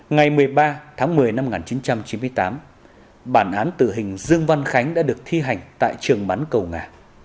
ngày một mươi ba tháng một mươi năm một nghìn chín trăm chín mươi tám bản án tử hình dương văn khánh đã được thi hành tại trường bắn cầu nga